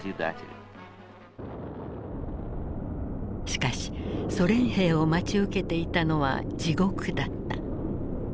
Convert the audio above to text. しかしソ連兵を待ち受けていたのは地獄だった。